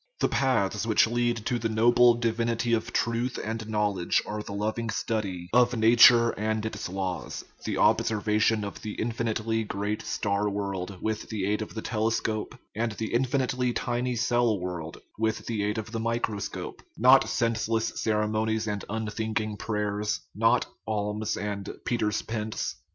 The paths which lead to the noble divinity of truth and knowledge are the loving study of nature and its laws, the observa tion of the infinitely great star world with the aid of the telescope, and the infinitely tiny cell world with the aid of the microscope not senseless ceremonies and unthinking prayers, not alms and Peter's Pence.